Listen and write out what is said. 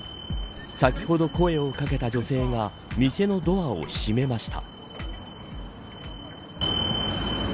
先ほど声を掛けた女性が店のドアを閉めました。